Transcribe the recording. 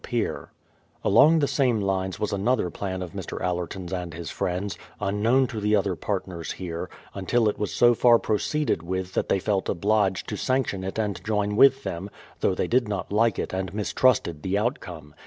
208 BRADFORD'S IHISTORY OF Along the same lines was another plan of Mr. Allerton's and his friends, unknown to the other partners here, until it was so far proceeded with that they felt obliged to sanc tion it and join with them, though they did not like it and mistrusted the outcome.